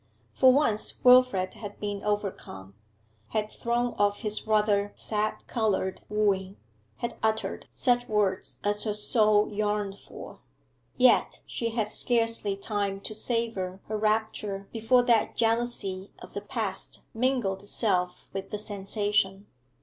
For once Wilfrid had been overcome, had thrown off his rather sad coloured wooing, had uttered such words as her soul yearned for. Yet she had scarcely time to savour her rapture before that jealousy of the past mingled itself with the sensation.